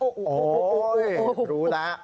โอ้โหรู้แล้ว